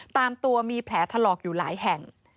ตามตัวมีแผลถลอกอยู่หลายแห่ง